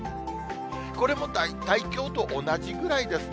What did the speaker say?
これも大体きょうと同じぐらいですね。